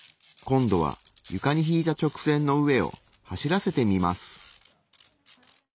今度は床に引いた直線の上を走らせてみます。